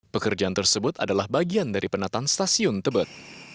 pekerjaan tersebut adalah bagian dari penataan stasiun tebet